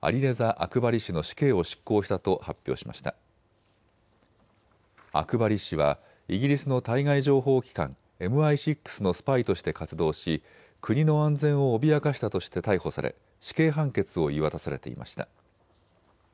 アクバリ氏はイギリスの対外情報機関、ＭＩ６のスパイとして活動し国の安全を脅かしたとして逮捕され死刑判決を言い渡されていました。